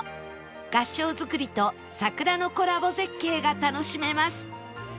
合掌造りと桜のコラボ絶景が楽しめます